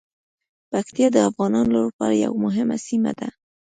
پکتیا د افغانانو لپاره یوه مهمه سیمه ده.